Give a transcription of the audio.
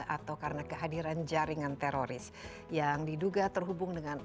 atau karena kehadiran jaringan teroris yang diduga terhubung dengan